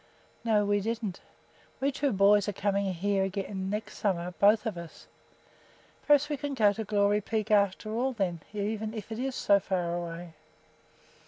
"No, we didn't." "We two boys are coming here again next summer, both of us." "Perhaps we can go to Glory Peak after all then, even if it is so far away."